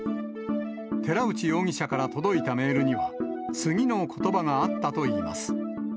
寺内容疑者から届いたメールには、次のことばがあったといいます。